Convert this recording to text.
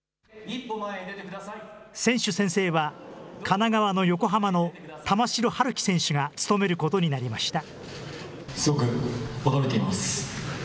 選手宣誓は神奈川の横浜の玉城陽希選手が務めることになりました。